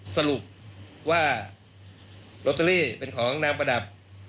สรุปว่าลอตเตอรี่เป็นของนางประดับ